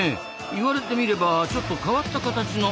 言われてみればちょっと変わった形の歯ですなあ。